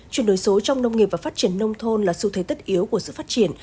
chuyển đổi số trong nông nghiệp và phát triển nông thôn là sự thể tích yếu của sự phát triển